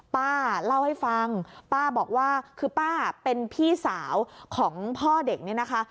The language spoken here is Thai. ป้าเล่าให้ฟังป้าบอกว่าเป็นพี่สาวของพ่อเด็ก